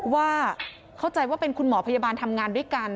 ว่าเข้าใจว่าเป็นคุณหมอพยาบาลทำงานด้วยกัน